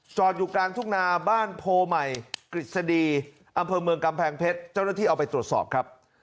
อยู่กลางทุ่งนาบ้านโพใหม่กฤษฎีอำเภอเมืองกำแพงเพชรเจ้าหน้าที่เอาไปตรวจสอบครับ